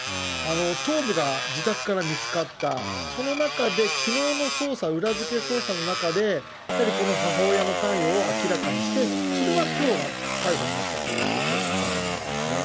頭部が自宅から見つかった、その中で、きのうの捜査、裏付け捜査の中で、やはりこの母親の関与を明らかにして、それがきょうの逮捕になったということだと思いますね。